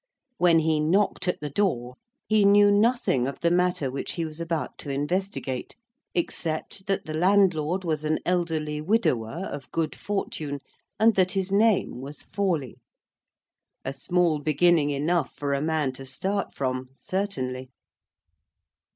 When he knocked at the door, he knew nothing of the matter which he was about to investigate, except that the landlord was an elderly widower of good fortune, and that his name was Forley. A small beginning enough for a man to start from, certainly!